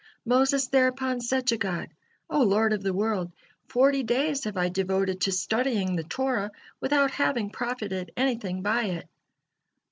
Moses thereupon said to God: "O Lord of the world! Forty days have I devoted to studying the Torah, without having profited anything by it."